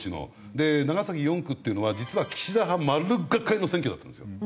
で長崎４区っていうのは実は岸田派丸がかりの選挙だったんですよ。